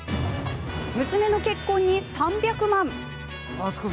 娘の結婚に３００万。